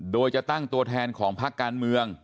โดยจะตั้งตัวแทนของภาคการเมือง